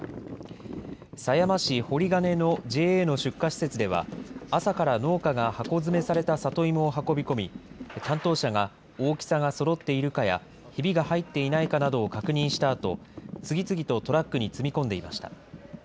狭山市堀兼のＪＡの出荷施設では、朝から農家が箱詰めされた里芋を運び込み、担当者が大きさがそろっているかや、ひびが入っていないかなどを確認したあと、次々とトラックに積み込んでいました。